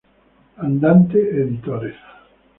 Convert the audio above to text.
Andante Editores.